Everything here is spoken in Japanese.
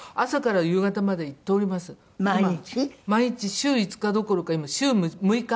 週５日どころか今週６日。